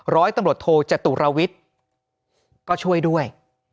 ร้อยตำรวจโทจตุรวิทย์ก็ช่วยด้วย